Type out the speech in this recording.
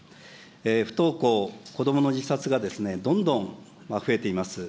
不登校、子どもの自殺がですね、どんどん増えています。